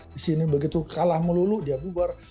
di sini begitu kalah melulu dia bubar